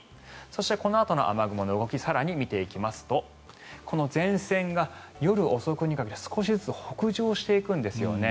そして、このあとの雨雲の動き更に見ていきますと前線が夜遅くにかけて少しずつ北上していくんですね。